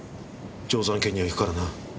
定山渓には行くからな。